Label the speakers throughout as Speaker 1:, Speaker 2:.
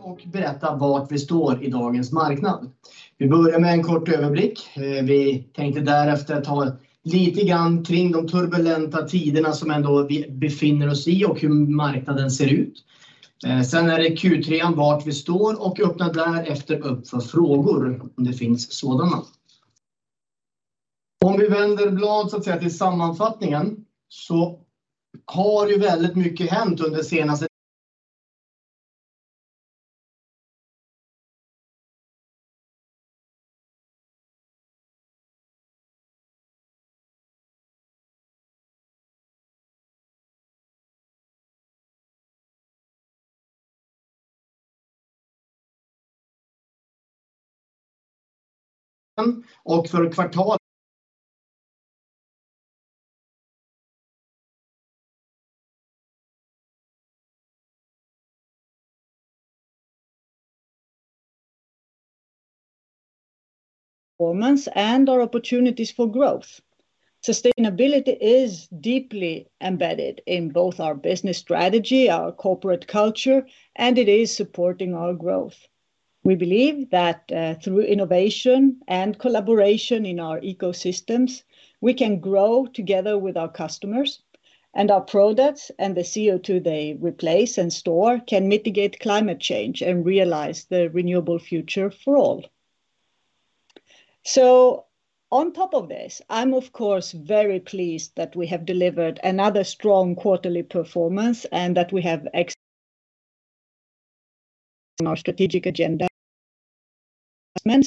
Speaker 1: [unintelligible]
Speaker 2: Performance and our opportunities for growth. Sustainability is deeply embedded in both our business strategy, our corporate culture, and it is supporting our growth. We believe that through innovation and collaboration in our ecosystems, we can grow together with our customers, and our products and the CO2 they replace and store can mitigate climate change and realize the renewable future for all. On top of this, I'm of course very pleased that we have delivered another strong quarterly performance and that we have executed on our strategic agenda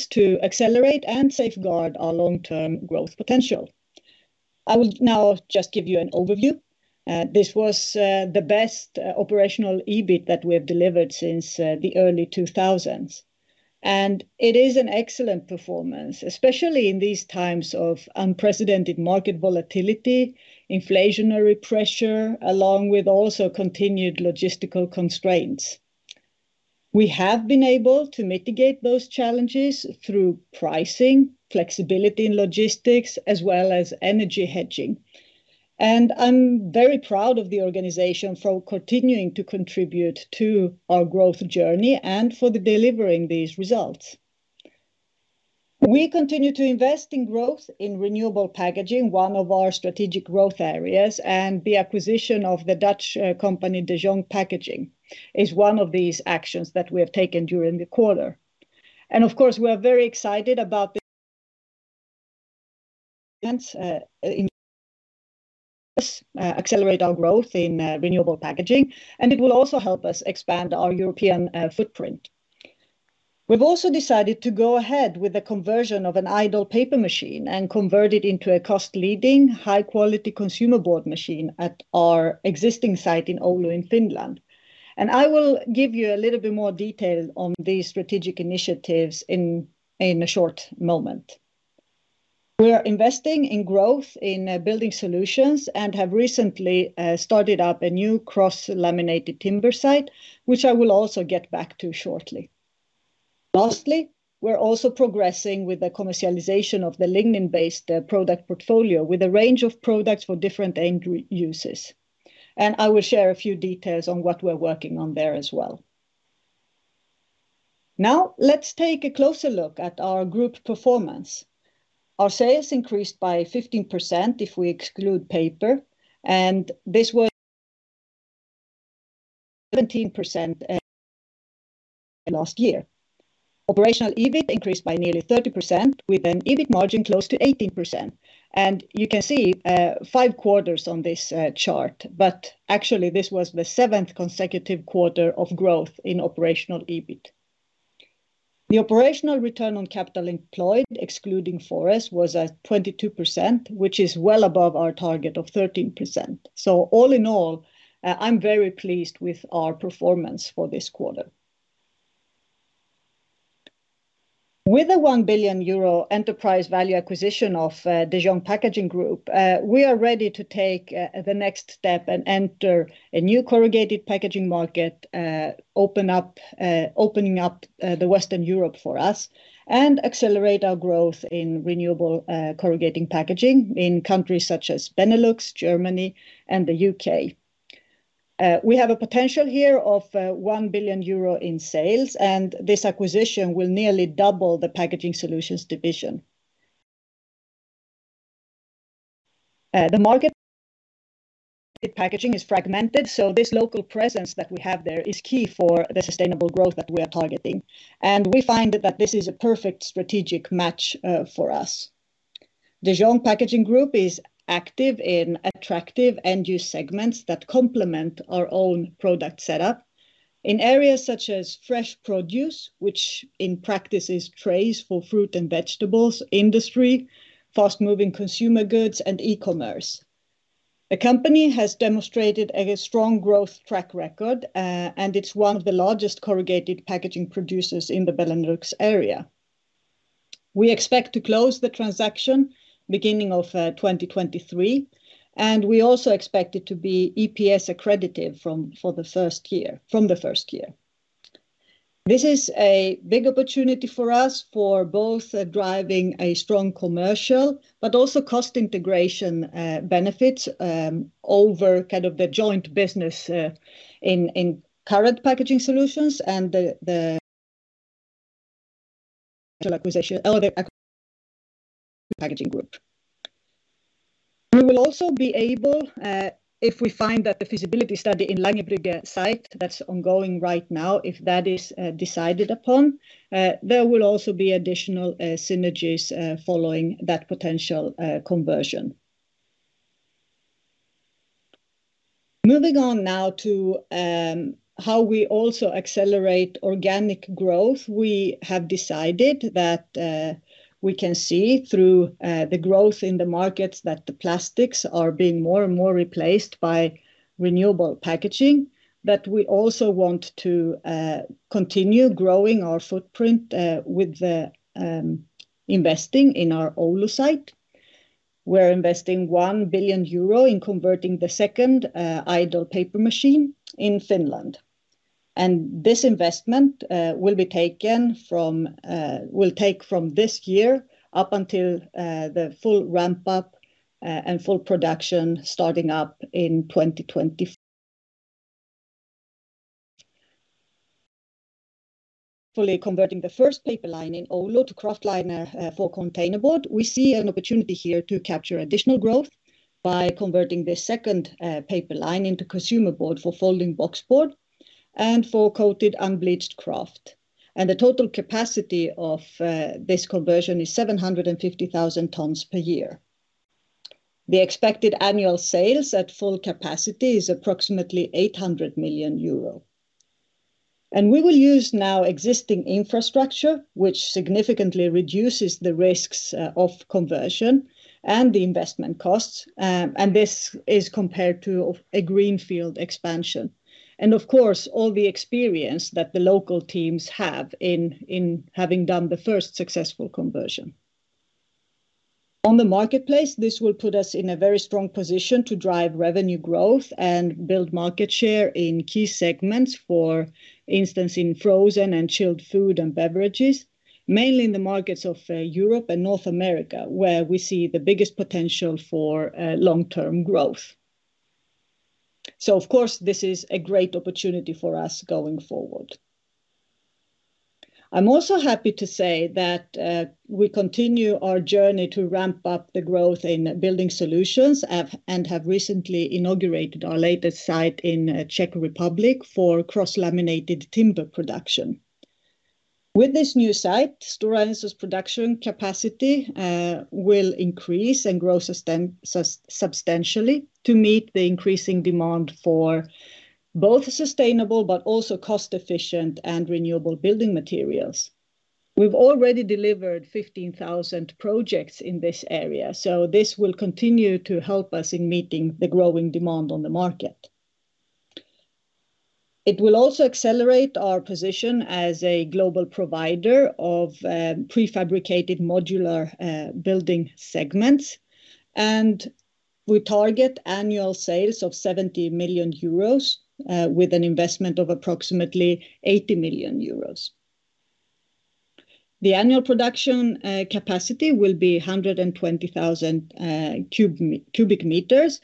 Speaker 2: to accelerate and safeguard our long-term growth potential. I will now just give you an overview. This was the best operational EBIT that we have delivered since the early 2000s. It is an excellent performance, especially in these times of unprecedented market volatility, inflationary pressure, along with also continued logistical constraints. We have been able to mitigate those challenges through pricing, flexibility in logistics, as well as energy hedging. I'm very proud of the organization for continuing to contribute to our growth journey and for delivering these results. We continue to invest in growth in renewable packaging, one of our strategic growth areas, and the acquisition of the Dutch company De Jong Packaging is one of these actions that we have taken during the quarter. Of course, we are very excited to accelerate our growth in renewable packaging, and it will also help us expand our European footprint. We've also decided to go ahead with the conversion of an idle paper machine and convert it into a cost-leading, high-quality consumer board machine at our existing site in Oulu in Finland. I will give you a little bit more detail on these strategic initiatives in a short moment. We are investing in growth in Building Solutions and have recently started up a new cross-laminated timber site, which I will also get back to shortly. Lastly, we're also progressing with the commercialization of the lignin-based product portfolio with a range of products for different end uses. I will share a few details on what we're working on there as well. Now, let's take a closer look at our group performance. Our sales increased by 15% if we exclude paper, and this was 17% last year. Operational EBIT increased by nearly 30% with an EBIT margin close to 18%. You can see five quarters on this chart, but actually, this was the seventh consecutive quarter of growth in operational EBIT. The operational return on capital employed, excluding Forest, was at 22%, which is well above our target of 13%. All in all, I'm very pleased with our performance for this quarter. With a 1 billion euro enterprise value acquisition of De Jong Packaging Group, we are ready to take the next step and enter a new corrugated packaging market, opening up Western Europe for us and accelerate our growth in renewable corrugated packaging in countries such as Benelux, Germany, and the UK. We have a potential here of 1 billion euro in sales, and this acquisition will nearly double the Packaging Solutions division. The market packaging is fragmented, so this local presence that we have there is key for the sustainable growth that we are targeting, and we find that this is a perfect strategic match for us. De Jong Packaging Group is active in attractive end-use segments that complement our own product setup in areas such as fresh produce, which in practice is trays for fruit and vegetables, industry, fast-moving consumer goods, and e-commerce. The company has demonstrated a strong growth track record, and it's one of the largest corrugated packaging producers in the Benelux area. We expect to close the transaction beginning of 2023, and we also expect it to be EPS accretive for the first year. This is a big opportunity for us for both driving a strong commercial but also cost integration benefits over kind of the joint business in current Packaging Solutions and the De Jong Packaging Group. We will also be able, if we find that the feasibility study in Langerbrugge site that's ongoing right now, if that is decided upon, there will also be additional synergies following that potential conversion. Moving on now to how we also accelerate organic growth, we have decided that we can see through the growth in the markets that the plastics are being more and more replaced by renewable packaging, but we also want to continue growing our footprint with the investing in our Oulu site. We're investing 1 billion euro in converting the second idle paper machine in Finland. This investment will take from this year up until the full ramp up and full production starting up in 2024. Fully converting the first paper line in Oulu to kraftliner for containerboard, we see an opportunity here to capture additional growth by converting the second paper line into consumer board for folding boxboard and for coated unbleached kraft. The total capacity of this conversion is 750,000 tons per year. The expected annual sales at full capacity is approximately 800 million euro. We will now use existing infrastructure, which significantly reduces the risks of conversion and the investment costs. This is compared to a greenfield expansion. Of course, all the experience that the local teams have in having done the first successful conversion. On the marketplace, this will put us in a very strong position to drive revenue growth and build market share in key segments, for instance, in frozen and chilled food and beverages, mainly in the markets of Europe and North America, where we see the biggest potential for long-term growth. Of course, this is a great opportunity for us going forward. I'm also happy to say that we continue our journey to ramp up the growth in Building Solutions and have recently inaugurated our latest site in Czech Republic for cross-laminated timber production. With this new site, Stora Enso's production capacity will increase and grow substantially to meet the increasing demand for both sustainable but also cost-efficient and renewable building materials. We've already delivered 15,000 projects in this area, so this will continue to help us in meeting the growing demand on the market. It will also accelerate our position as a global provider of prefabricated modular building segments. We target annual sales of 70 million euros with an investment of approximately 80 million euros. The annual production capacity will be 120,000 cubic meters,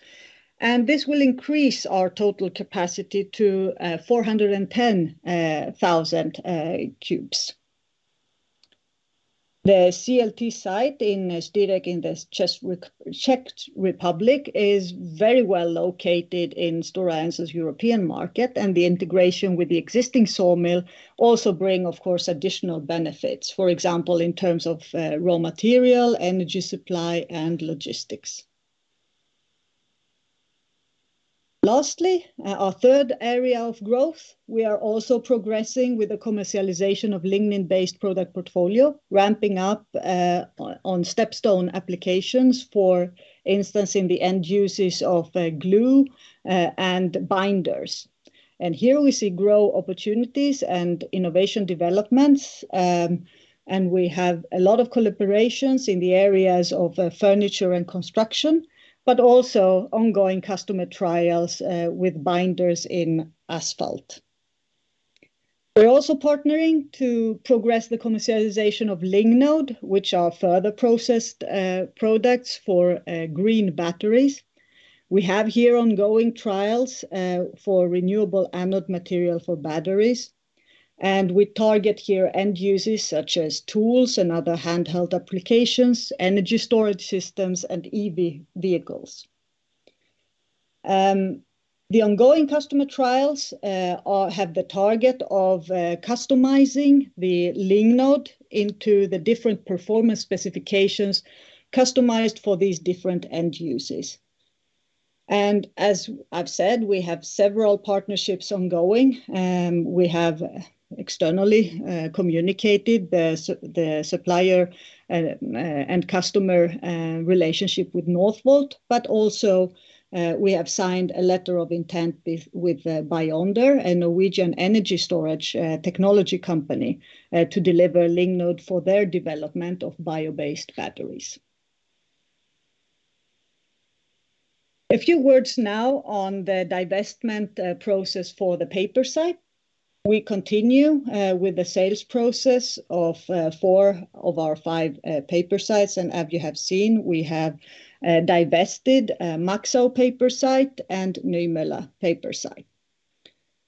Speaker 2: and this will increase our total capacity to 410,000 cubic meters. The CLT site in Ždírec in the Czech Republic is very well located in Stora Enso's European market, and the integration with the existing sawmill also bring, of course, additional benefits, for example, in terms of raw material, energy supply, and logistics. Lastly, our third area of growth, we are also progressing with the commercialization of lignin-based product portfolio, ramping up on stepping stone applications, for instance, in the end uses of glue and binders. Here we see growth opportunities and innovative developments, and we have a lot of collaborations in the areas of furniture and construction, but also ongoing customer trials with binders in asphalt. We're also partnering to progress the commercialization of Lignode, which are further processed products for green batteries. We have here ongoing trials for renewable anode material for batteries, and we target here end users such as tools and other handheld applications, energy storage systems, and EV vehicles. The ongoing customer trials have the target of customizing the Lignode into the different performance specifications customized for these different end users. As I've said, we have several partnerships ongoing. We have externally communicated the supplier and customer relationship with Northvolt, but also we have signed a letter of intent with Beyonder, a Norwegian energy storage technology company, to deliver Lignode for their development of bio-based batteries. A few words now on the divestment process for the paper site. We continue with the sales process of four of our five paper sites, and as you have seen, we have divested Maxau paper site and Nymölla paper site.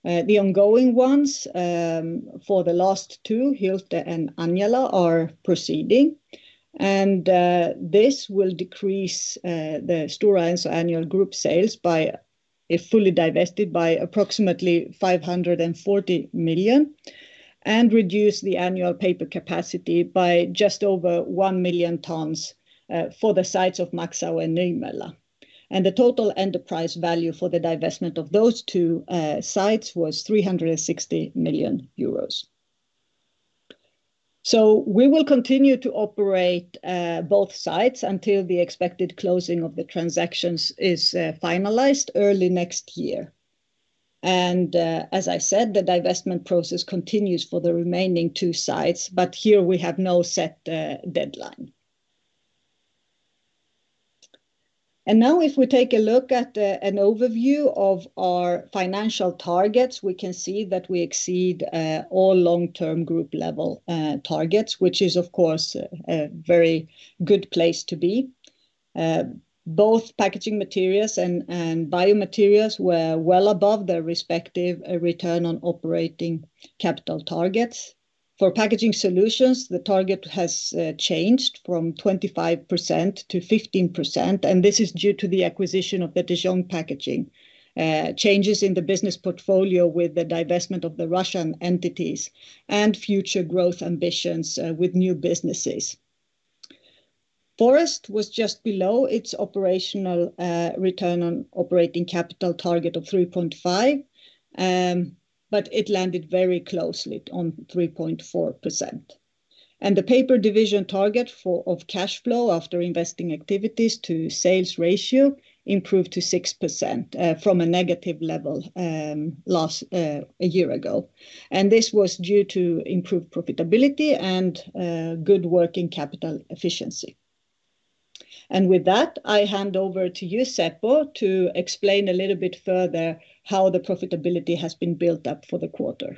Speaker 2: The ongoing ones for the last two, Hylte and Anjala, are proceeding. This will decrease the Stora Enso annual group sales by, if fully divested, by approximately 540 million, and reduce the annual paper capacity by just over 1 million tons for the sites of Maxau and Nymölla. The total enterprise value for the divestment of those two sites was 360 million euros. We will continue to operate both sites until the expected closing of the transactions is finalized early next year. As I said, the divestment process continues for the remaining two sites, but here we have no set deadline. Now if we take a look at an overview of our financial targets, we can see that we exceed all long-term group level targets, which is, of course, a very good place to be. Both Packaging Materials and Biomaterials were well above their respective return on operating capital targets. For Packaging Solutions, the target has changed from 25% to 15%, and this is due to the acquisition of the De Jong Packaging, changes in the business portfolio with the divestment of the Russian entities and future growth ambitions with new businesses. Forest was just below its operational return on operating capital target of 3.5%, but it landed very closely on 3.4%. The Paper division target of cash flow after investing activities to sales ratio improved to 6% from a negative level a year ago. This was due to improved profitability and good working capital efficiency. With that, I hand over to you, Seppo, to explain a little bit further how the profitability has been built up for the quarter.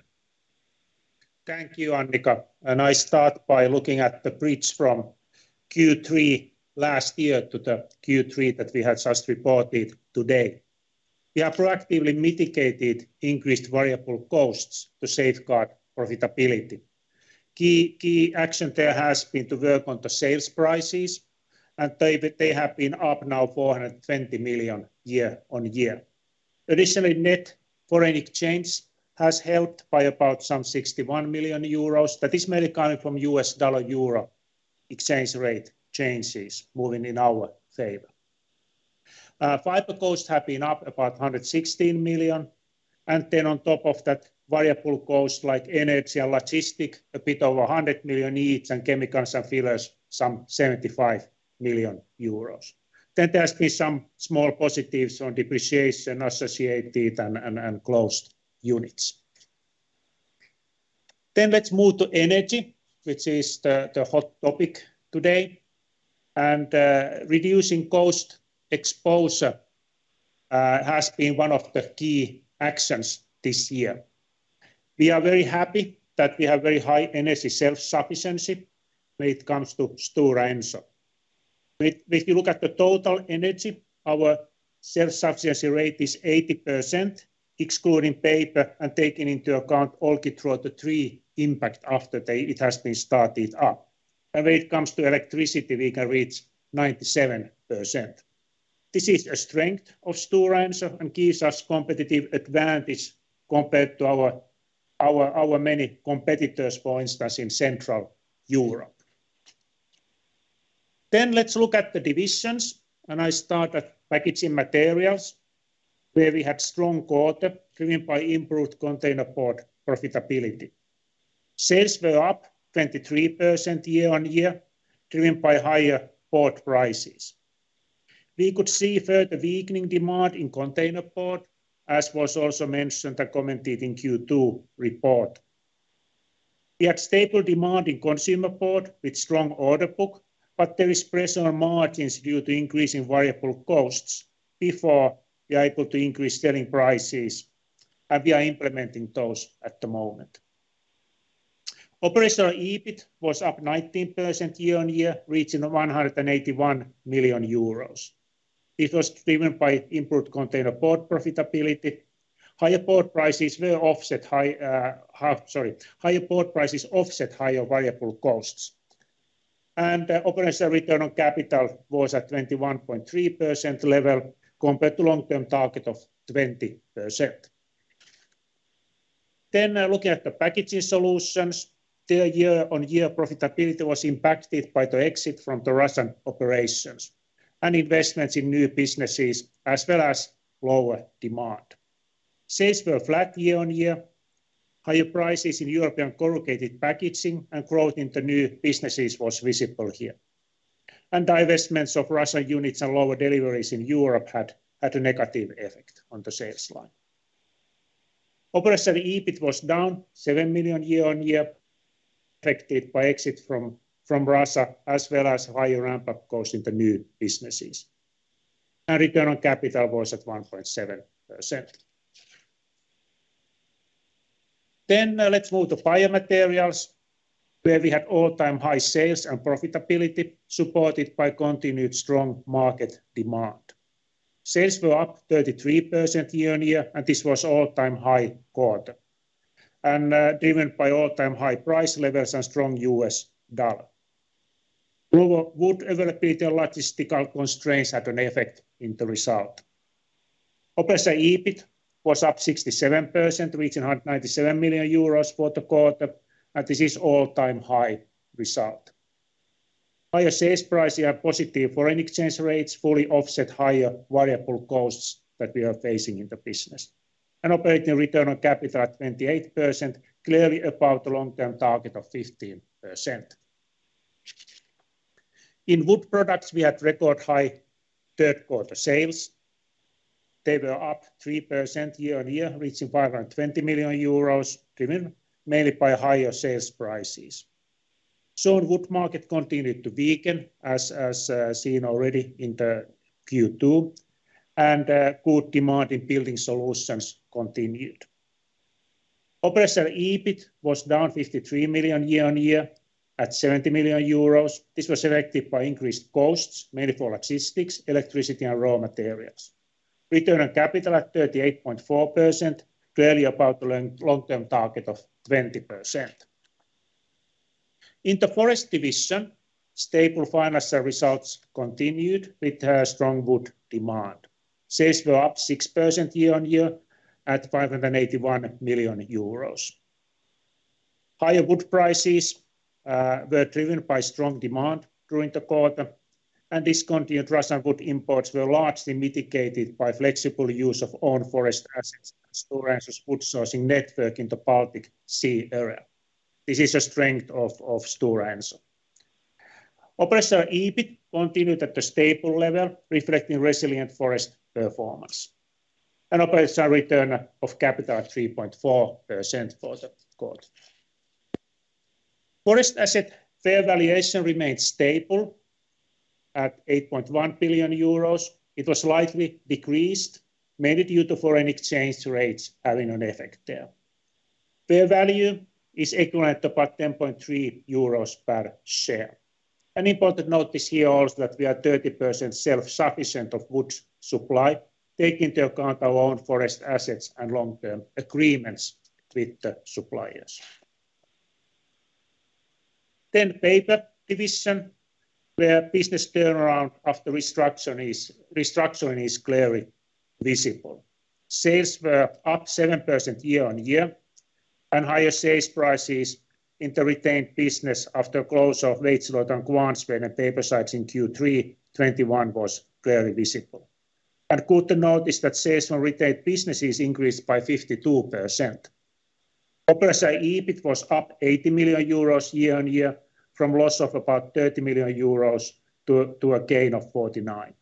Speaker 3: Thank you, Annica. I start by looking at the bridge from Q3 last year to the Q3 that we have just reported today. We have proactively mitigated increased variable costs to safeguard profitability. Key action there has been to work on the sales prices, and they have been up now 420 million year on year. Additionally, net foreign exchange has helped by about some 61 million euros. That is mainly coming from US dollar/euro exchange rate changes moving in our favor. Fiber costs have been up about 116 million. On top of that variable cost, like energy and logistic, a bit over 100 million each, and chemicals and fillers, some 75 million euros. There has to be some small positives on depreciation associated and closed units. Let's move to energy, which is the hot topic today. Reducing cost exposure has been one of the key actions this year. We are very happy that we have very high energy self-sufficiency when it comes to Stora Enso. If you look at the total energy, our self-sufficiency rate is 80%, excluding paper and taking into account Olkiluoto 3 impact after it has been started up. When it comes to electricity, we can reach 97%. This is a strength of Stora Enso and gives us competitive advantage compared to our many competitors, for instance, in Central Europe. Let's look at the divisions, and I start at Packaging Materials, where we had strong quarter driven by improved containerboard profitability. Sales were up 23% year-on-year, driven by higher board prices. We could see further weakening demand in containerboard, as was also mentioned and commented in Q2 report. We had stable demand in consumer board with strong order book, but there is pressure on margins due to increasing variable costs before we are able to increase selling prices, and we are implementing those at the moment. Operational EBIT was up 19% year-on-year, reaching 181 million euros. It was driven by improved containerboard profitability. Higher board prices offset higher variable costs. Operational return on capital was at 21.3% level compared to long-term target of 20%. Looking at the Packaging Solutions, their year-on-year profitability was impacted by the exit from the Russian operations and investments in new businesses, as well as lower demand. Sales were flat year-on-year. Higher prices in European corrugated packaging and growth in the new businesses was visible here. Divestments of Russian units and lower deliveries in Europe had a negative effect on the sales line. Operational EBIT was down 7 million year-on-year, affected by exit from Russia as well as higher ramp-up costs in the new businesses. Return on capital was at 1.7%. Let's move to Biomaterials, where we had all-time high sales and profitability supported by continued strong market demand. Sales were up 33% year-on-year, and this was all-time high quarter, and driven by all-time high price levels and strong US dollar. Global wood availability and logistical constraints had an effect in the result. Operating EBIT was up 67%, reaching 197 million euros for the quarter, and this is all-time high result. Higher sales prices and positive foreign exchange rates fully offset higher variable costs that we are facing in the business. Operating return on capital at 28%, clearly above the long-term target of 15%. In Wood Products, we had record high third quarter sales. They were up 3% year-over-year, reaching 520 million euros, driven mainly by higher sales prices. Sawnwood market continued to weaken as seen already in the Q2, and good demand in Building Solutions continued. Operating EBIT was down 53 million year-over-year at 70 million euros. This was affected by increased costs, mainly for logistics, electricity and raw materials. Return on capital at 38.4%, clearly above the long-term target of 20%. In the Forest division, stable financial results continued with the strong wood demand. Sales were up 6% year-on-year at 581 million euros. Higher wood prices were driven by strong demand during the quarter, and discontinued Russian wood imports were largely mitigated by flexible use of own forest assets and Stora Enso's wood sourcing network in the Baltic Sea area. This is a strength of Stora Enso. Operating EBIT continued at a stable level, reflecting resilient forest performance. Operating return of capital at 3.4% for the quarter. Forest asset fair valuation remained stable at 8.1 billion euros. It was slightly decreased, mainly due to foreign exchange rates having an effect there. Fair value is equivalent to about 10.3 euros per share. An important note is here also that we are 30% self-sufficient of wood supply, taking into account our own forest assets and long-term agreements with the suppliers. Paper division, where business turnaround after restructuring is clearly visible. Sales were up 7% year-over-year, and higher sales prices in the retained business after close of Veitsiluoto and Kvarnsveden paper sites in Q3 2021 was clearly visible. Good to note is that sales from retained businesses increased by 52%. Operating EBIT was up 80 million euros year-over-year from loss of about 30 million euros to a gain of 49 million.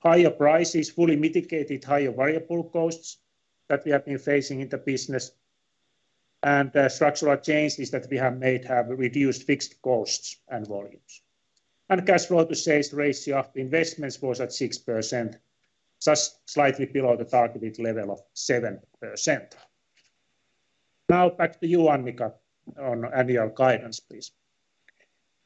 Speaker 3: Higher prices fully mitigated higher variable costs that we have been facing in the business. The structural changes that we have made have reduced fixed costs and volumes. Cash flow to sales ratio after investments was at 6%, just slightly below the targeted level of 7%. Now back to you, Annica, on annual guidance, please.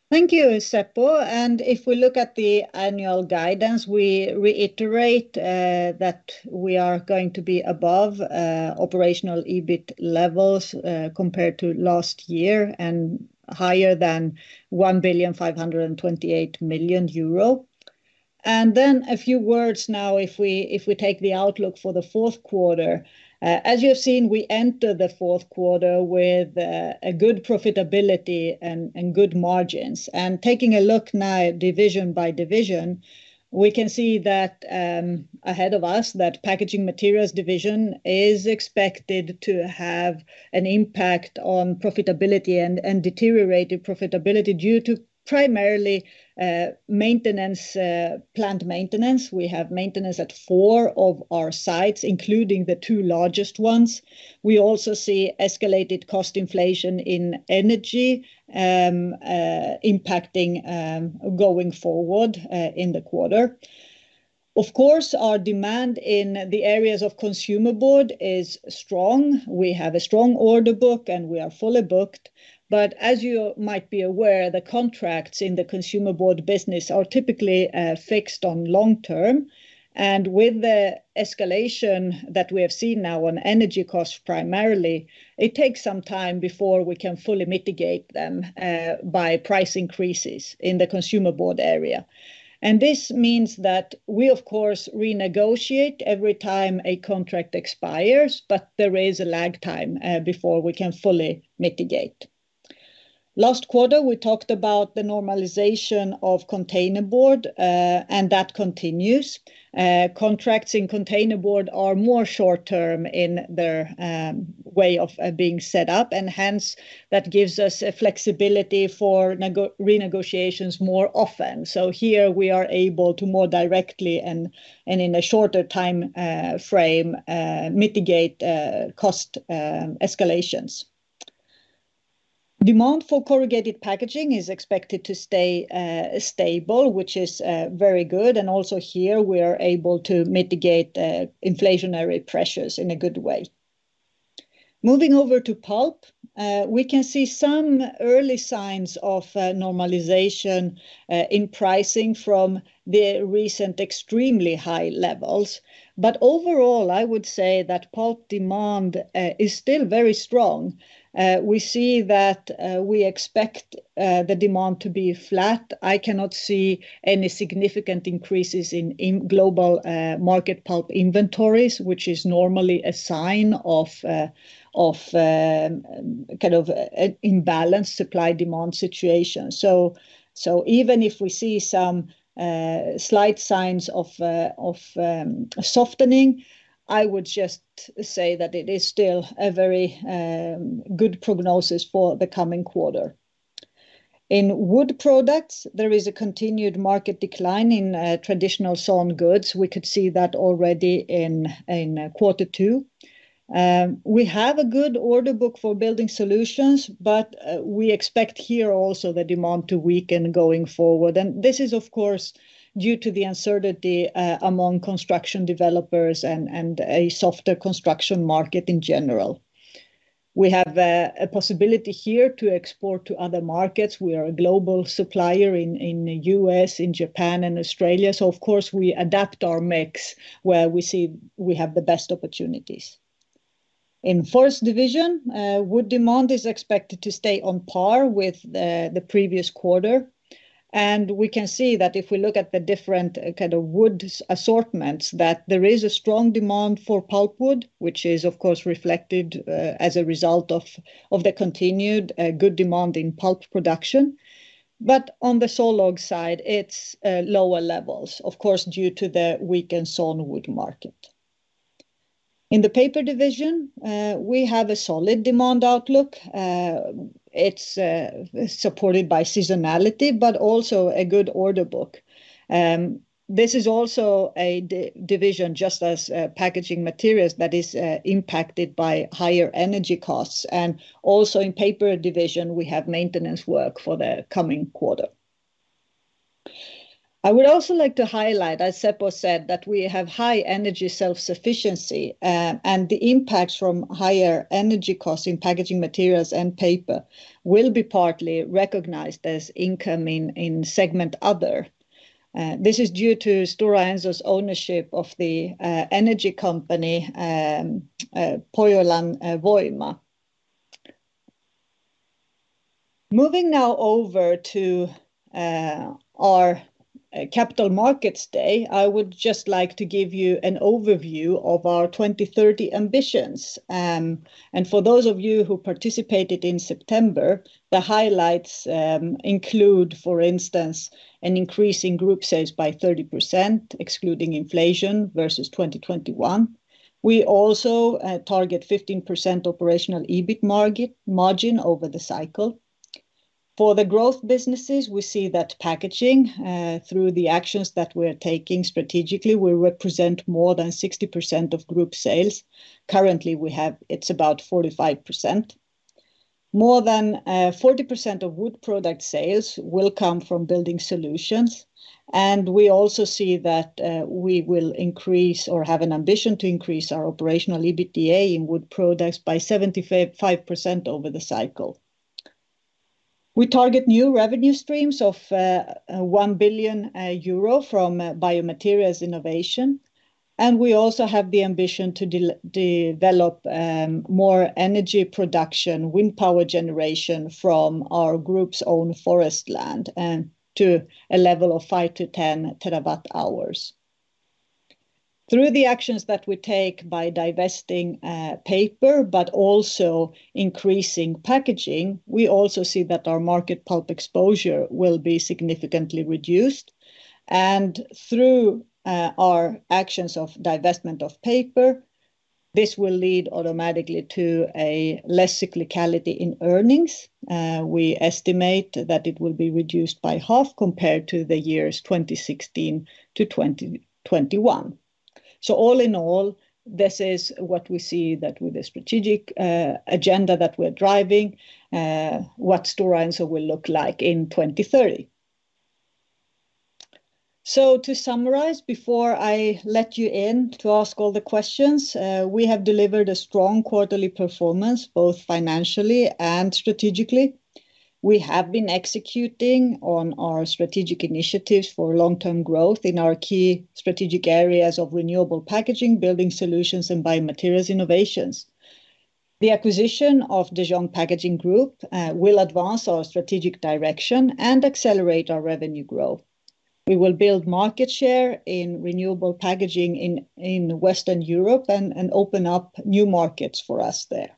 Speaker 2: Thank you, Seppo. If we look at the annual guidance, we reiterate that we are going to be above operational EBIT levels compared to last year, and higher than 1,528 million euro. Then a few words now if we take the outlook for the fourth quarter. As you have seen, we enter the fourth quarter with a good profitability and good margins. Taking a look now division by division, we can see that, ahead of us, that Packaging Materials division is expected to have an impact on profitability and deteriorated profitability due to primarily maintenance, plant maintenance. We have maintenance at four of our sites, including the two largest ones. We also see escalated cost inflation in energy, impacting going forward in the quarter. Of course, our demand in the areas of consumer board is strong. We have a strong order book, and we are fully booked. As you might be aware, the contracts in the consumer board business are typically fixed on long term. With the escalation that we have seen now on energy costs primarily, it takes some time before we can fully mitigate them by price increases in the consumer board area. This means that we of course renegotiate every time a contract expires, but there is a lag time before we can fully mitigate. Last quarter, we talked about the normalization of containerboard, and that continues. Contracts in containerboard are more short term in their way of being set up, and hence that gives us a flexibility for renegotiations more often. Here we are able to more directly and in a shorter timeframe mitigate cost escalations. Demand for corrugated packaging is expected to stay stable, which is very good. Also here we are able to mitigate inflationary pressures in a good way. Moving over to pulp, we can see some early signs of normalization in pricing from the recent extremely high levels. Overall, I would say that pulp demand is still very strong. We see that we expect the demand to be flat. I cannot see any significant increases in global market pulp inventories, which is normally a sign of kind of an imbalanced supply-demand situation. Even if we see some slight signs of softening, I would just say that it is still a very good prognosis for the coming quarter. In Wood Products, there is a continued market decline in traditional sawn goods. We could see that already in quarter two. We have a good order book for Building Solutions, but we expect here also the demand to weaken going forward. This is of course due to the uncertainty among construction developers and a softer construction market in general. We have a possibility here to export to other markets. We are a global supplier in U.S., in Japan and Australia, so of course, we adapt our mix where we see we have the best opportunities. In Forest division, wood demand is expected to stay on par with the previous quarter. We can see that if we look at the different kind of wood assortments, that there is a strong demand for pulpwood, which is of course reflected as a result of the continued good demand in pulp production. On the sawlog side, it's lower levels, of course, due to the weakened sawnwood market. In the Paper division, we have a solid demand outlook. It's supported by seasonality, but also a good order book. This is also a division, just as Packaging Materials, that is impacted by higher energy costs. Also in Paper division, we have maintenance work for the coming quarter. I would also like to highlight, as Seppo said, that we have high energy self-sufficiency, and the impacts from higher energy costs in packaging materials and paper will be partly recognized as income in segment Other. This is due to Stora Enso's ownership of the energy company Pohjolan Voima. Moving now over to our Capital Markets Day, I would just like to give you an overview of our 2030 ambitions. For those of you who participated in September, the highlights include, for instance, an increase in group sales by 30%, excluding inflation, versus 2021. We also target 15% operational EBIT margin over the cycle. For the growth businesses, we see that packaging, through the actions that we're taking strategically, will represent more than 60% of group sales. Currently we have, it's about 45%. More than 40% of wood product sales will come from Building Solutions. We also see that we will increase or have an ambition to increase our operational EBITDA in Wood Products by 75% over the cycle. We target new revenue streams of 1 billion euro from Biomaterials innovation, and we also have the ambition to develop more energy production, wind power generation from our group's own forest land to a level of 5-10 TWh. Through the actions that we take by divesting Paper, but also increasing packaging, we also see that our market pulp exposure will be significantly reduced. Through our actions of divestment of Paper, this will lead automatically to a less cyclicality in earnings. We estimate that it will be reduced by half, compared to the years 2016 to 2021. All in all, this is what we see that with the strategic agenda that we're driving, what Stora Enso will look like in 2030. To summarize, before I let you in to ask all the questions, we have delivered a strong quarterly performance, both financially and strategically. We have been executing on our strategic initiatives for long-term growth in our key strategic areas of renewable packaging, Building Solutions, and Biomaterials innovations. The acquisition of De Jong Packaging Group will advance our strategic direction and accelerate our revenue growth. We will build market share in renewable packaging in Western Europe and open up new markets for us there.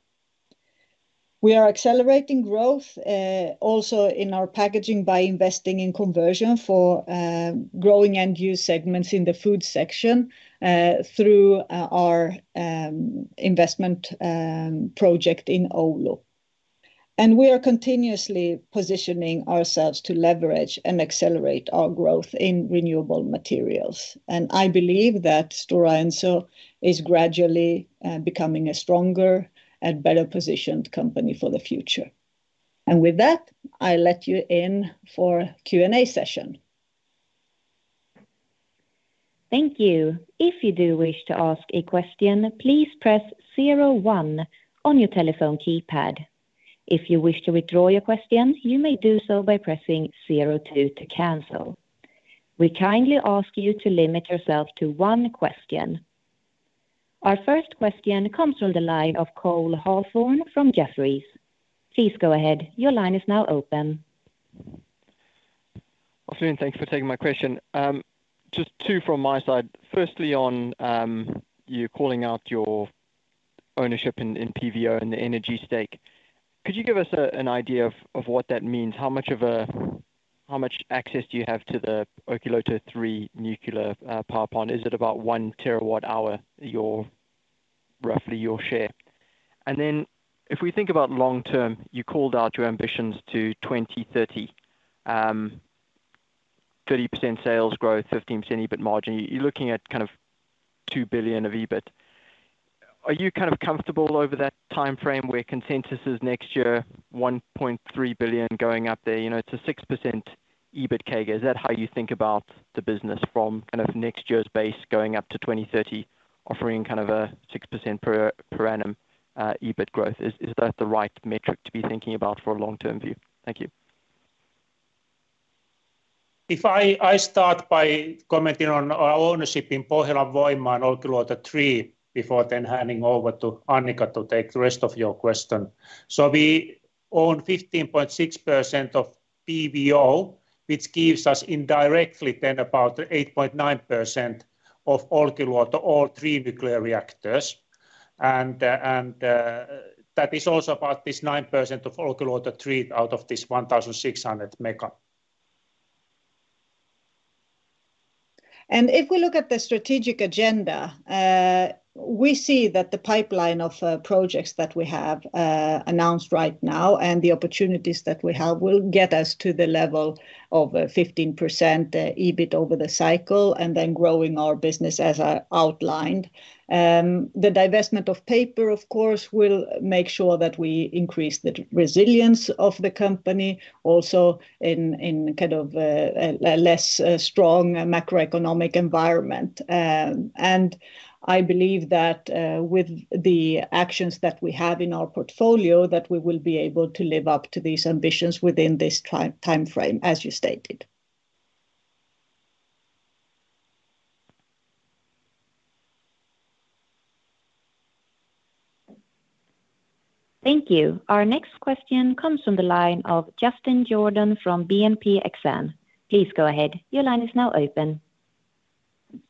Speaker 2: We are accelerating growth also in our packaging by investing in conversion for growing end-use segments in the food section through our investment project in Oulu. We are continuously positioning ourselves to leverage and accelerate our growth in renewable materials. I believe that Stora Enso is gradually becoming a stronger and better positioned company for the future. With that, I let you in for Q&A session.
Speaker 4: Thank you. If you do wish to ask a question, please press 01 on your telephone keypad. If you wish to withdraw your question, you may do so by pressing 02 to cancel. We kindly ask you to limit yourself to one question. Our first question comes from the line of Cole Hathorn from Jefferies. Please go ahead. Your line is now open.
Speaker 5: Afternoon, thanks for taking my question. Just two from my side. Firstly, on you calling out your ownership in PVO and the energy stake. Could you give us an idea of what that means? How much access do you have to the Olkiluoto three nuclear power plant? Is it about 1 TWh, roughly your share? If we think about long-term, you called out your ambitions to 2030. 30% sales growth, 15% EBIT margin. You're looking at kind of 2 billion of EBIT. Are you kind of comfortable over that timeframe where consensus is next year 1.3 billion going up there? You know, it's a 6% EBIT CAGR. Is that how you think about the business from kind of next year's base going up to 2030 offering kind of a 6% per annum EBIT growth? Is that the right metric to be thinking about for a long-term view? Thank you.
Speaker 3: If I start by commenting on our ownership in Pohjolan Voima and Olkiluoto three before handing over to Annica to take the rest of your question. We own 15.6% of PVO, which gives us indirectly about 8.9% of Olkiluoto 3 nuclear reactor. That is also about this 9% of Olkiluoto 3 out of this 1,600 MW.
Speaker 2: If we look at the strategic agenda, we see that the pipeline of projects that we have announced right now and the opportunities that we have will get us to the level of 15% EBIT over the cycle and then growing our business as I outlined. The divestment of Paper, of course, will make sure that we increase the resilience of the company also in kind of a less strong macroeconomic environment. I believe that with the actions that we have in our portfolio, that we will be able to live up to these ambitions within this time frame, as you stated.
Speaker 4: Thank you. Our next question comes from the line of Justin Jordan from BNP Paribas Exane. Please go ahead. Your line is now open.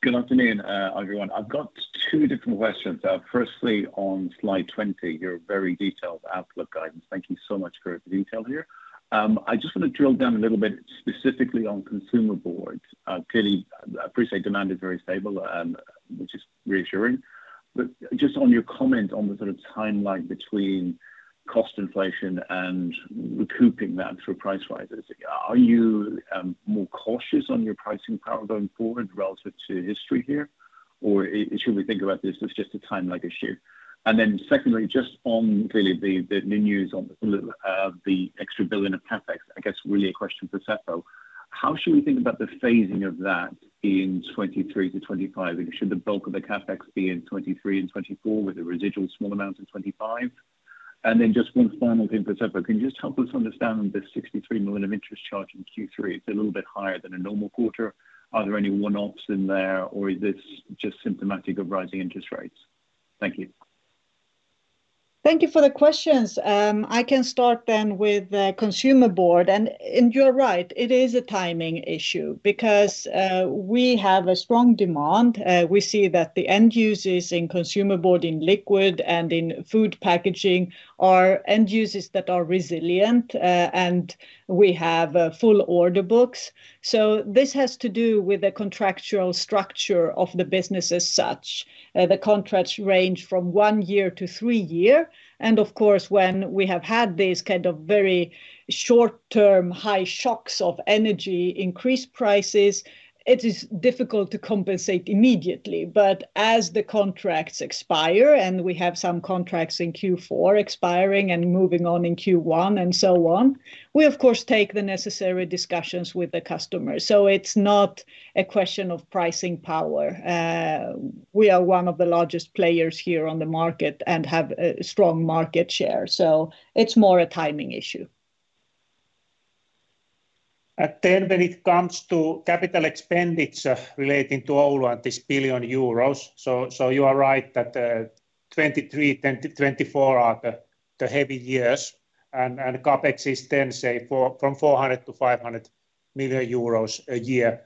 Speaker 6: Good afternoon, everyone. I've got two different questions. Firstly on slide 20, your very detailed outlook guidance. Thank you so much for the detail here. I just want to drill down a little bit specifically on consumer boards. Clearly I appreciate demand is very stable, which is reassuring. But just on your comment on the sort of timeline between cost inflation and recouping that through price rises, are you more cautious on your pricing power going forward relative to history here? Or should we think about this as just a time lag issue? Secondly, just on clearly the new news on the extra 1 billion of CapEx, I guess really a question for Seppo. How should we think about the phasing of that in 2023 to 2025? Should the bulk of the CapEx be in 2023 and 2024 with a residual small amount in 2025? Just one final thing for Seppo. Can you just help us understand the 63 million of interest charge in Q3? It's a little bit higher than a normal quarter. Are there any one-offs in there or is this just symptomatic of rising interest rates? Thank you.
Speaker 2: Thank you for the questions. I can start then with the consumer board. You're right, it is a timing issue because we have a strong demand. We see that the end users in consumer board in liquid and in food packaging are end users that are resilient. We have full order books. This has to do with the contractual structure of the business as such. The contracts range from one year to three year. Of course, when we have had this kind of very short-term high shocks of energy price increases, it is difficult to compensate immediately. As the contracts expire, and we have some contracts in Q4 expiring and moving on in Q1 and so on, we of course take the necessary discussions with the customer. It's not a question of pricing power. We are one of the largest players here on the market and have a strong market share. It's more a timing issue.
Speaker 3: When it comes to capital expenditure relating to Oulu and this billion euros, you are right that 2023, 2024 are the heavy years and CapEx is then, say, from 400 million to 500 million euros a year.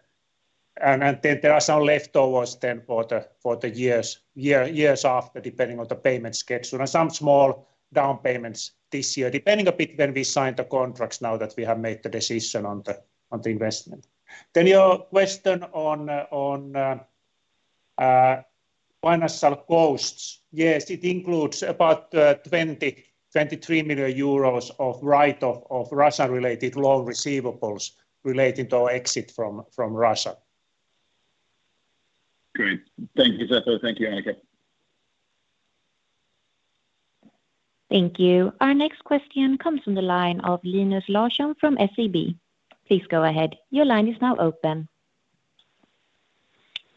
Speaker 3: There are some leftovers then for the years after depending on the payment schedule, and some small down payments this year, depending a bit when we sign the contracts now that we have made the decision on the investment. Your question on financial costs. Yes, it includes about 23 million euros of write-off of Russia related loan receivables related to our exit from Russia.
Speaker 6: Great. Thank you, Seppo. Thank you, Annica.
Speaker 4: Thank you. Our next question comes from the line of Linus Larsson from SEB. Please go ahead. Your line is now open.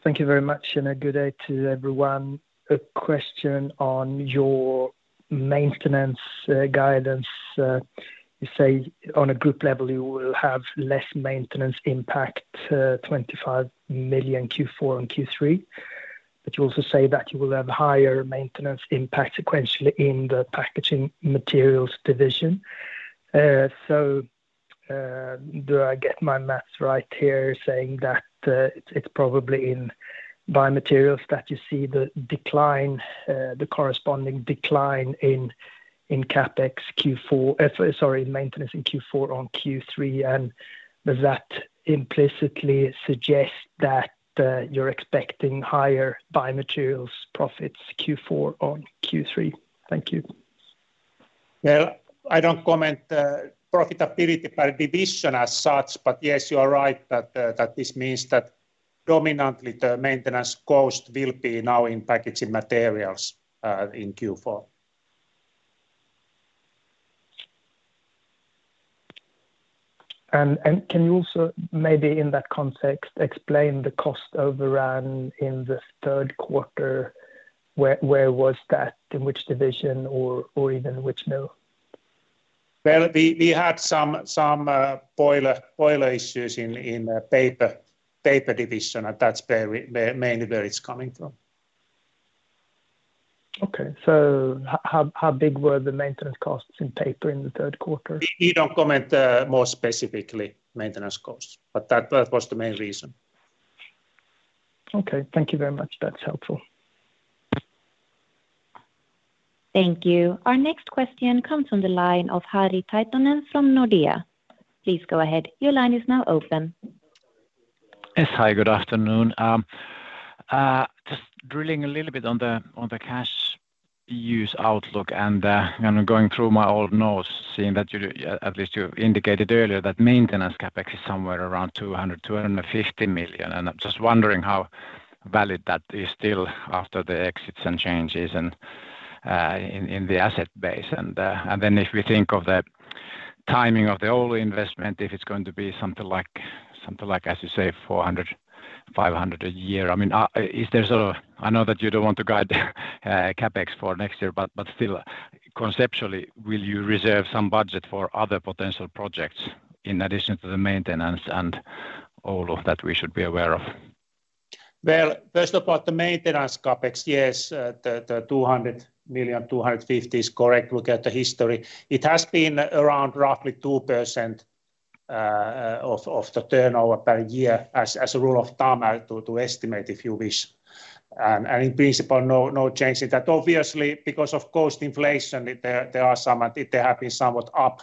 Speaker 7: Thank you very much, and a good day to everyone. A question on your maintenance guidance. You say on a group level you will have less maintenance impact, 25 million Q4 and Q3. You also say that you will have higher maintenance impact sequentially in the Packaging Materials division. Do I get my math right here saying that it's probably in Biomaterials that you see the decline, the corresponding decline in maintenance in Q4 on Q3, and does that implicitly suggest that you're expecting higher Biomaterials profits Q4 on Q3? Thank you.
Speaker 3: Well, I don't comment profitability by division as such, but yes, you are right that this means that dominantly the maintenance cost will be now in Packaging Materials in Q4.
Speaker 7: Can you also maybe in that context explain the cost overrun in the third quarter? Where was that? In which division or even which mill?
Speaker 3: Well, we had some boiler issues in the Paper division, and that's mainly where it's coming from.
Speaker 7: Okay. How big were the maintenance costs in paper in the third quarter?
Speaker 3: We don't comment more specifically maintenance costs, but that was the main reason.
Speaker 7: Okay. Thank you very much. That's helpful.
Speaker 4: Thank you. Our next question comes from the line of Harri Taittonen from Nordea. Please go ahead. Your line is now open.
Speaker 8: Yes. Hi, good afternoon. Just drilling a little bit on the cash use outlook and kind of going through my old notes, seeing that you at least indicated earlier that maintenance CapEx is somewhere around 250 million. I'm just wondering how valid that is still after the exits and changes and in the asset base. Then if we think of the timing of the Oulu investment, if it's going to be something like, as you say, 400-500 million a year. I mean, is there sort of. I know that you don't want to guide CapEx for next year, but still conceptually will you reserve some budget for other potential projects in addition to the maintenance and all of that we should be aware of?
Speaker 3: Well, first about the maintenance CapEx. Yes, the 200 million-250 million is correct. Look at the history. It has been around roughly 2% of the turnover per year as a rule of thumb to estimate if you wish. In principle, no change in that. Obviously, because of cost inflation, there are some, and they have been somewhat up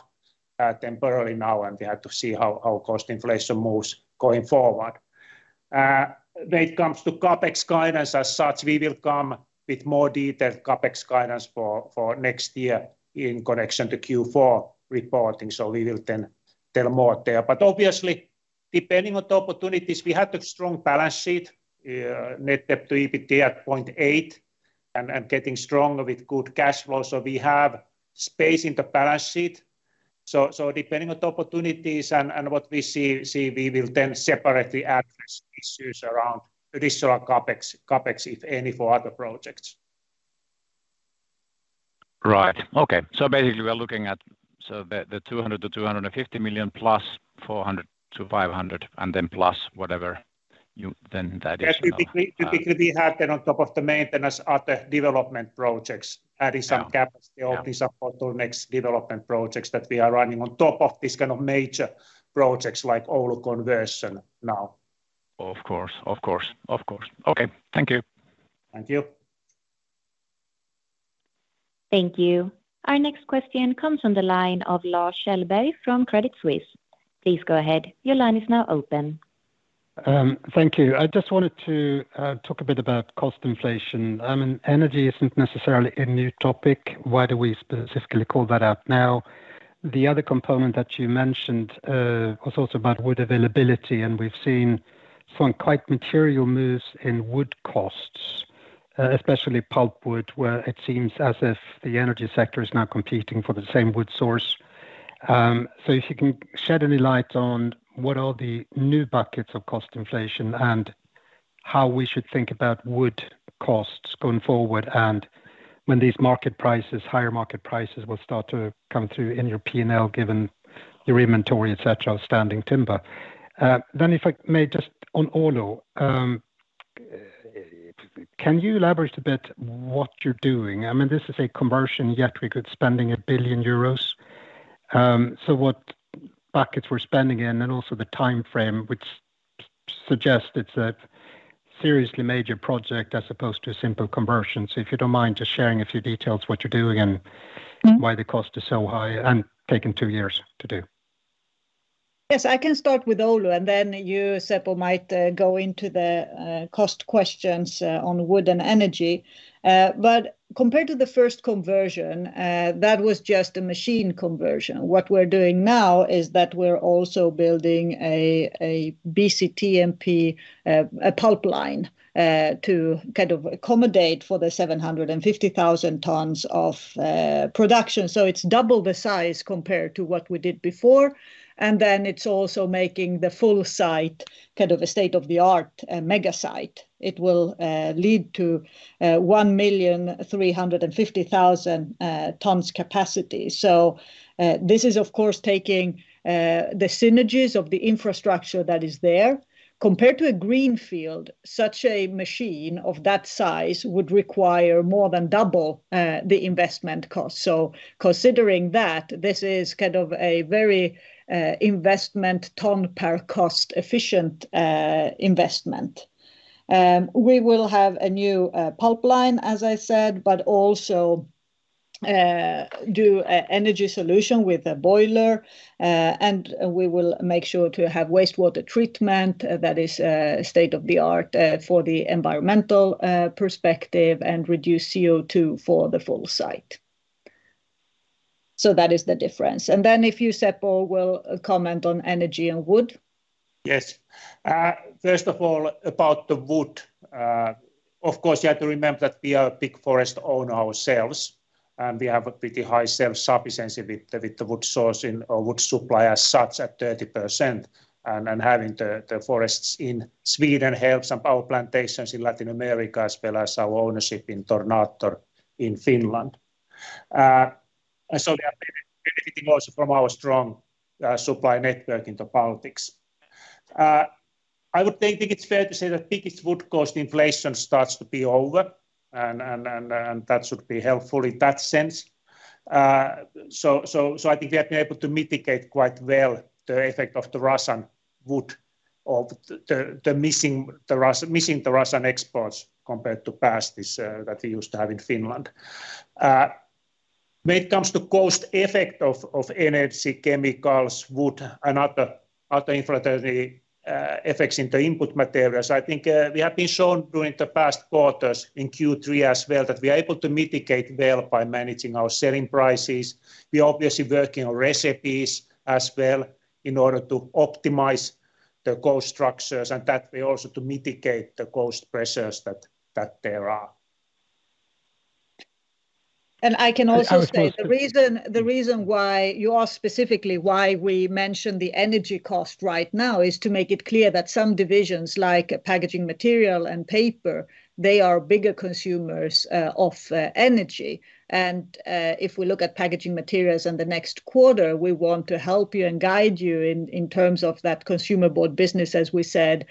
Speaker 3: temporarily now, and we have to see how cost inflation moves going forward. When it comes to CapEx guidance as such, we will come with more detailed CapEx guidance for next year in connection to Q4 reporting, so we will then tell more there. Obviously, depending on the opportunities, we have the strong balance sheet, net debt to EBITDA at 0.8 and getting stronger with good cash flow. We have space in the balance sheet. Depending on the opportunities and what we see, we will then separately address issues around additional CapEx if any, for other projects.
Speaker 8: Right. Okay. Basically we are looking at the 200-250 million plus 400-500 and then plus whatever, then the additional.
Speaker 3: Typically we have then on top of the maintenance other development projects, adding some capacity.
Speaker 8: Yeah. Yeah
Speaker 3: These are bottlenecks development projects that we are running on top of these kind of major projects like Oulu conversion now.
Speaker 8: Of course. Okay. Thank you.
Speaker 3: Thank you.
Speaker 4: Thank you. Our next question comes from the line of Lars Kjellberg from Credit Suisse. Please go ahead. Your line is now open.
Speaker 9: Thank you. I just wanted to talk a bit about cost inflation. Energy isn't necessarily a new topic. Why do we specifically call that out now? The other component that you mentioned was also about wood availability, and we've seen some quite material moves in wood costs, especially pulpwood, where it seems as if the energy sector is now competing for the same wood source. If you can shed any light on what are the new buckets of cost inflation and how we should think about wood costs going forward and when these market prices, higher market prices will start to come through in your P&L given your inventory, etc., standing timber. Then if I may just on Oulu, can you elaborate a bit what you're doing? I mean, this is a conversion, yet spending 1 billion euros. what buckets we're spending in, and also the timeframe, which suggests it's a seriously major project as opposed to a simple conversion. If you don't mind just sharing a few details what you're doing and why the cost is so high and taking two years to do.
Speaker 2: Yes, I can start with Oulu, and then you, Seppo, might go into the cost questions on wood and energy. Compared to the first conversion, that was just a machine conversion. What we're doing now is that we're also building a BCTMP pulp line to kind of accommodate for the 750,000 tons of production. It's double the size compared to what we did before, and then it's also making the full site kind of a state-of-the-art mega site. It will lead to 1,350,000 tons capacity. This is, of course, taking the synergies of the infrastructure that is there. Compared to a greenfield, such a machine of that size would require more than double the investment cost. Considering that, this is kind of a very cost-efficient investment per ton. We will have a new pulp line, as I said, but also an energy solution with a boiler, and we will make sure to have wastewater treatment that is state-of-the-art from the environmental perspective and reduce CO2 for the full site. That is the difference. If you, Seppo, will comment on energy and wood.
Speaker 3: Yes. First of all, about the wood, of course, you have to remember that we are a big forest owner ourselves, and we have a pretty high self-sufficiency with the wood sourcing or wood supply as such at 30%. Having the forests in Sweden helps our plantations in Latin America, as well as our ownership in Tornator in Finland. We are benefiting also from our strong supply network in the Baltics. I would think it's fair to say that biggest wood cost inflation starts to be over, and that should be helpful in that sense. I think we have been able to mitigate quite well the effect of the Russian wood or the missing Russian exports compared to past this that we used to have in Finland. When it comes to cost effect of energy, chemicals, wood and other inflationary effects in the input materials, I think we have been shown during the past quarters in Q3 as well that we are able to mitigate well by managing our selling prices. We are obviously working on recipes as well in order to optimize the cost structures, and that way also to mitigate the cost pressures that there are.
Speaker 2: I can also say the reason why you ask specifically why we mention the energy cost right now is to make it clear that some divisions, like Packaging Materials and Paper, they are bigger consumers of energy. If we look at Packaging Materials in the next quarter, we want to help you and guide you in terms of that consumer board business, as we said,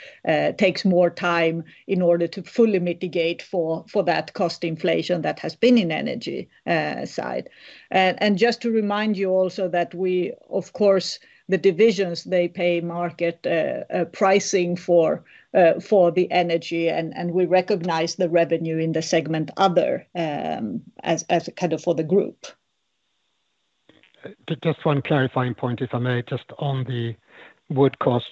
Speaker 2: takes more time in order to fully mitigate for that cost inflation that has been in energy side. Just to remind you also that we, of course, the divisions, they pay market pricing for the energy and we recognize the revenue in the segment other, as kind of for the group.
Speaker 9: Just one clarifying point, if I may, just on the wood cost.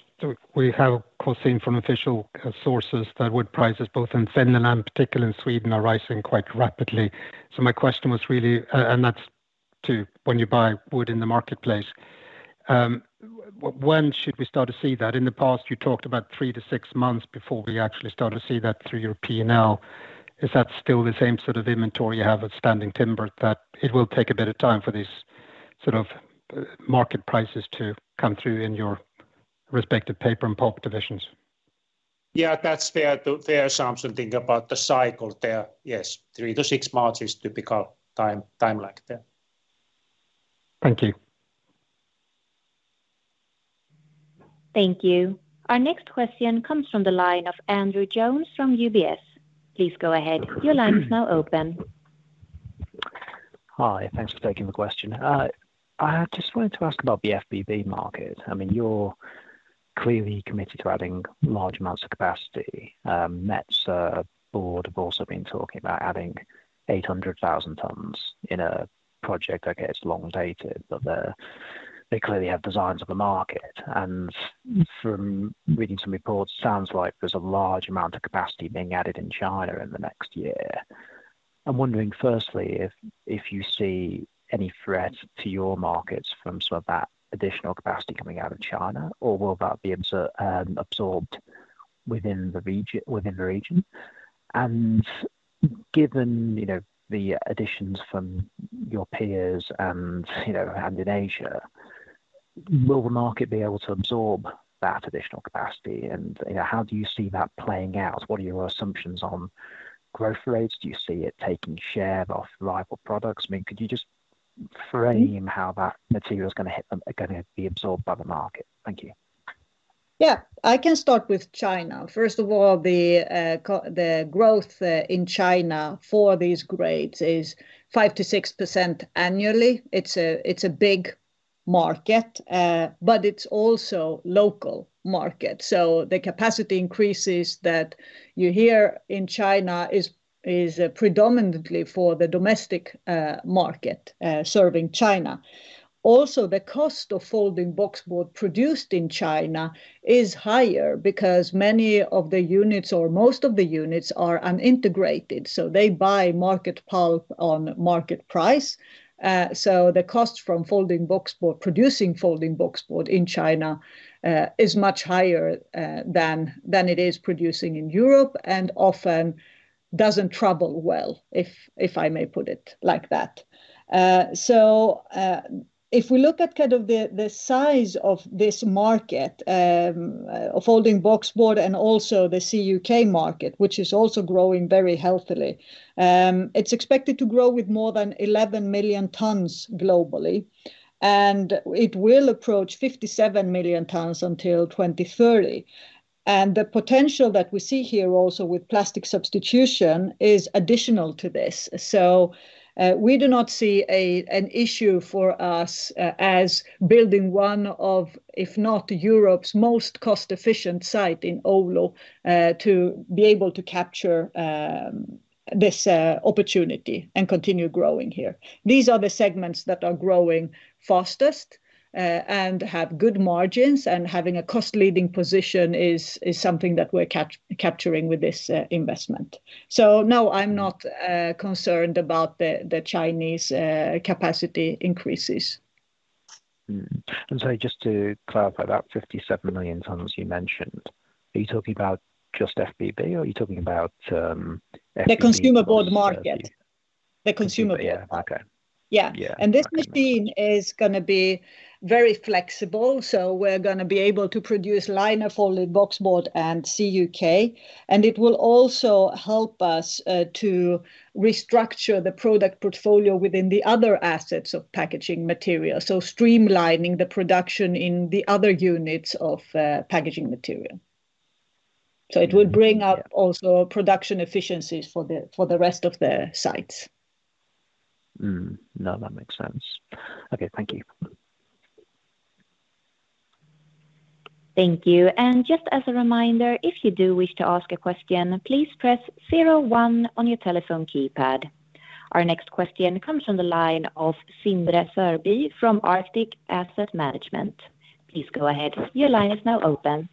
Speaker 9: We have, of course, seen from official sources that wood prices both in Finland, particularly in Sweden, are rising quite rapidly. My question was really, and that's to when you buy wood in the marketplace, when should we start to see that? In the past, you talked about 3-6 months before we actually start to see that through your P&L. Is that still the same sort of inventory you have with standing timber, that it will take a bit of time for these sort of market prices to come through in your respective paper and pulp divisions?
Speaker 3: Yeah, that's fair assumption. Think about the cycle there. Yes, 3-6 months is typical time lag there.
Speaker 9: Thank you.
Speaker 4: Thank you. Our next question comes from the line of Andrew Jones from UBS. Please go ahead. Your line is now open.
Speaker 10: Hi. Thanks for taking the question. I just wanted to ask about the FBB market. I mean, you're clearly committed to adding large amounts of capacity. Metsä Board have also been talking about adding 800,000 tons in a project. Okay, it's long dated, but they clearly have designs on the market. From reading some reports, sounds like there's a large amount of capacity being added in China in the next year. I'm wondering, firstly, if you see any threat to your markets from some of that additional capacity coming out of China, or will that be absorbed within the region? Given, you know, the additions from your peers and, you know, and in Asia, will the market be able to absorb that additional capacity? You know, how do you see that playing out? What are your assumptions on growth rates? Do you see it taking share of rival products? I mean, could you just? Frame how that material is going to hit them. Are going to be absorbed by the market. Thank you.
Speaker 2: Yeah. I can start with China. First of all, the growth in China for these grades is 5%-6% annually. It's a big market, but it's also local market. The capacity increases that you hear in China is predominantly for the domestic market serving China. Also, the cost of folding boxboard produced in China is higher because many of the units or most of the units are unintegrated, so they buy market pulp on market price. The cost of producing folding boxboard in China is much higher than it is producing in Europe and often doesn't travel well, if I may put it like that. If we look at kind of the size of this market of folding boxboard and also the CUK market, which is also growing very healthily, it's expected to grow with more than 11 million tons globally, and it will approach 57 million tons until 2030. The potential that we see here also with plastic substitution is additional to this. We do not see an issue for us as building one of, if not Europe's most cost-efficient site in Oulu, to be able to capture this opportunity and continue growing here. These are the segments that are growing fastest and have good margins, and having a cost leading position is something that we're capturing with this investment. No, I'm not concerned about the Chinese capacity increases.
Speaker 10: Mm-hmm. Sorry, just to clarify, that 57 million tons you mentioned, are you talking about just FBB or are you talking about FBB?
Speaker 2: The consumer board market.
Speaker 10: The consumer board. The consumer board. Okay. Yeah. Yeah.
Speaker 2: This machine is gonna be very flexible, so we're gonna be able to produce liner folding boxboard and CUK, and it will also help us to restructure the product portfolio within the other assets of Packaging Materials, so streamlining the production in the other units of Packaging Materials.
Speaker 10: Mm-hmm. Yeah. It will bring up also production efficiencies for the rest of the sites. Mm-hmm. No, that makes sense. Okay, thank you.
Speaker 4: Thank you. Just as a reminder, if you do wish to ask a question, please press zero one on your telephone keypad. Our next question comes from the line of Sindre Førli from Arctic Asset Management. Please go ahead. Your line is now open.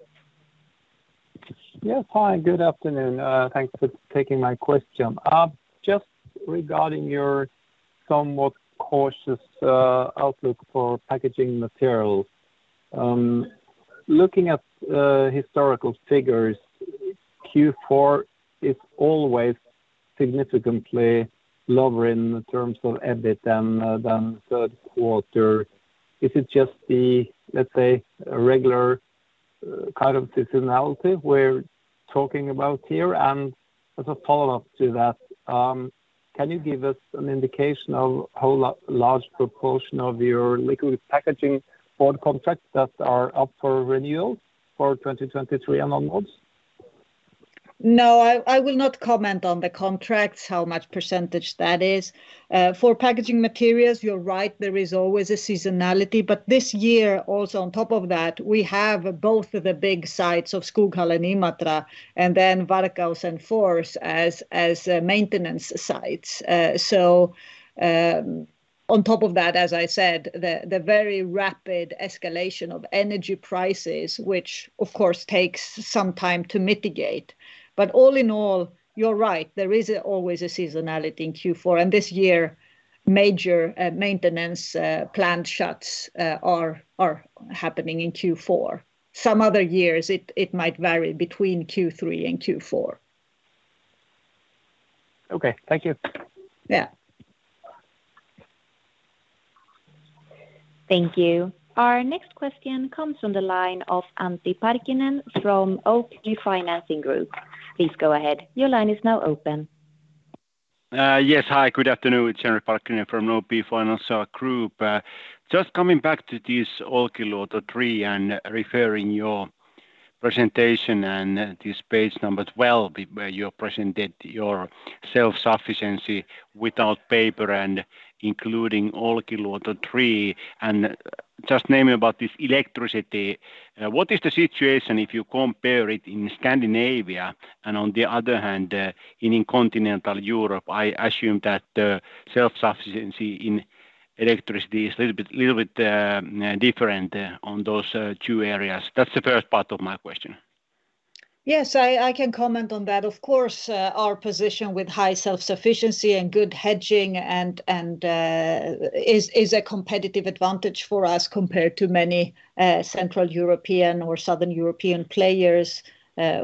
Speaker 11: Yes. Hi, good afternoon. Thanks for taking my question. Just regarding your somewhat cautious outlook for Packaging Materials. Looking at historical figures, Q4 is always significantly lower in terms of EBIT than third quarter. Is it just the, let's say, regular kind of seasonality we're talking about here? As a follow-up to that, can you give us an indication of how large proportion of your liquid packaging board contracts that are up for renewal for 2023 and onwards?
Speaker 2: No, I will not comment on the contracts, how much percentage that is. For Packaging Materials, you're right, there is always a seasonality, but this year also on top of that, we have both of the big sites of Skoghall and Imatra, and then Varkaus and Fors as maintenance sites. On top of that, as I said, the very rapid escalation of energy prices, which of course takes some time to mitigate. All in all, you're right, there is always a seasonality in Q4, and this year, major maintenance planned shuts are happening in Q4. Some other years it might vary between Q3 and Q4.
Speaker 11: Okay. Thank you.
Speaker 2: Yeah.
Speaker 4: Thank you. Our next question comes from the line of Antti Parkkinen from OP Financial Group. Please go ahead. Your line is now open.
Speaker 12: Yes. Hi, good afternoon. It's Antti Parkkinen from OP Financial Group. Just coming back to this Olkiluoto 3 and referring to your presentation and this page number 12, where you presented your self-sufficiency without paper and including Olkiluoto 3, and just mainly about this electricity. What is the situation if you compare it in Scandinavia and on the other hand in continental Europe? I assume that the self-sufficiency in electricity is little bit different on those two areas. That's the first part of my question.
Speaker 2: Yes, I can comment on that. Of course, our position with high self-sufficiency and good hedging and is a competitive advantage for us compared to many Central European or Southern European players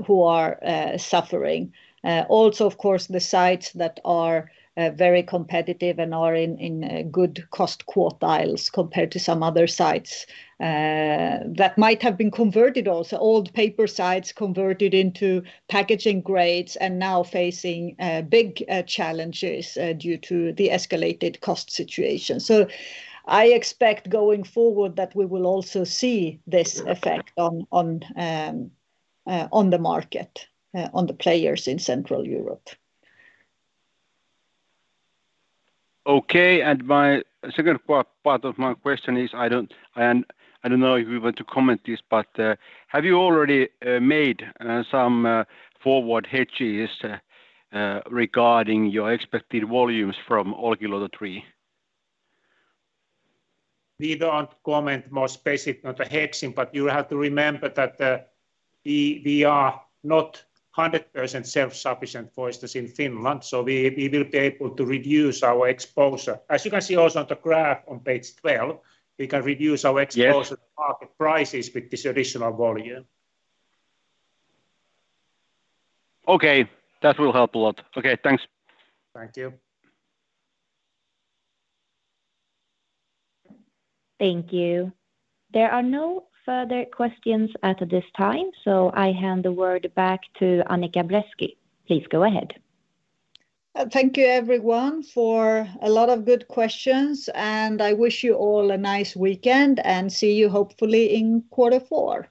Speaker 2: who are suffering. Also, of course, the sites that are very competitive and are in good cost quartiles compared to some other sites that might have been converted also. Old paper sites converted into packaging grades and now facing big challenges due to the escalated cost situation. I expect going forward that we will also see this effect on the market on the players in Central Europe.
Speaker 12: Okay. My second part of my question is, I don't know if you want to comment on this, but have you already made some forward hedges regarding your expected volumes from Olkiluoto 3?
Speaker 3: We don't comment more specific on the hedging, but you have to remember that we are not 100% self-sufficient foresters in Finland, so we will be able to reduce our exposure. As you can see also on the graph on page 12, we can reduce our exposure. Yes to market prices with this additional volume.
Speaker 12: Okay. That will help a lot. Okay, thanks.
Speaker 3: Thank you.
Speaker 4: Thank you. There are no further questions at this time, so I hand the word back to Annica Bresky. Please go ahead.
Speaker 2: Thank you everyone for a lot of good questions, and I wish you all a nice weekend and see you hopefully in quarter four.